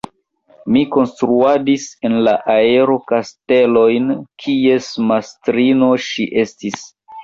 Mi konstruadis en la aero kastelojn, kies mastrino ŝi estis.